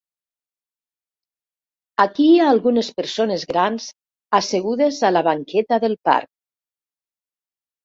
Aquí hi ha algunes persones grans assegudes a la banqueta del parc.